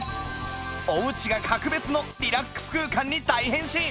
おうちが格別のリラックス空間に大変身！